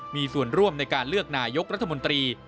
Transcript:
มีส่วนร่วมในการเลือกนายกรัฐมนตรี